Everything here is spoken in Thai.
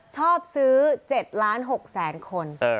ชอบซื้อ๗๖ล้านคน